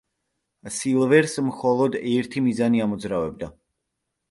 სილვერს მხოლოდ ერთი მიზანი ამოძრავებდა.